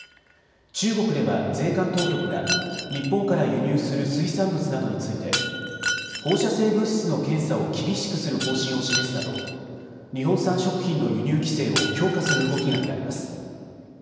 中国では税関当局が日本から輸入する水産物などについて放射性物質の検査を厳しくする方針を示すなど日本産食品の輸入規制を強化する動きが見られます。